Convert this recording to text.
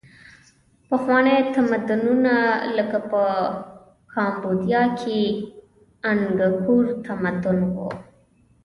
پخواني تمدنونه لکه په کامبودیا کې د انګکور تمدن و.